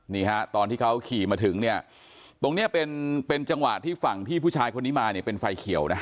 นี่ฮะตอนที่เขาขี่มาถึงเนี่ยตรงเนี้ยเป็นเป็นจังหวะที่ฝั่งที่ผู้ชายคนนี้มาเนี่ยเป็นไฟเขียวนะ